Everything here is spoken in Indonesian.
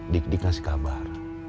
dik dik ngasih kabar